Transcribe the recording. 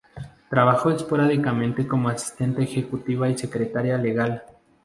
Trabajó esporádicamente como asistente ejecutiva y secretaria legal.